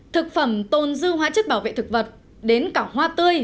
thực phẩm tôn dư hóa chất bảo vệ thực vật đến cả hoa tươi